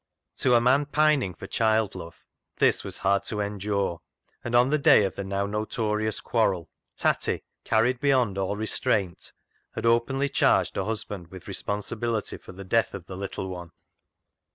To a man pining for child love, this was hard to endure, and on the day of the now notorious quarrel, Tatty, carried beyond all restraint, had openly charged her husband with responsibility for the death of the little one.